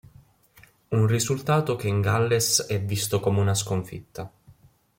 Un risultato che in Galles è visto come una sconfitta.